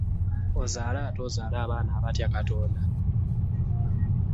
Ozaale ate okuze abaana abatya Katonda.